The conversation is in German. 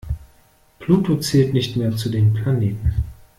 Pluto zählt nicht mehr zu den Planeten.